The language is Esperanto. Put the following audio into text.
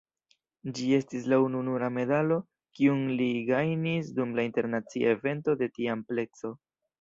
Ĝi estis la ununura medalo kiun li gajnis dum internacia evento de tia amplekso.